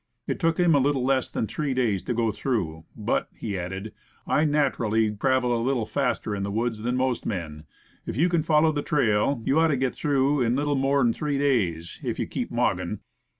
It took him a little less than three days to go through; ''but," he added, "I nat'rally travel a little faster in the woods than' most men. If you can follow the trail, you ought to get through in a little more'n three days if you keep moggin'."